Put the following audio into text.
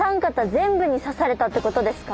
全部に刺されたってことですか？